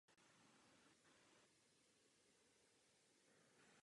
Tisk ji nazýval "Českou královnou".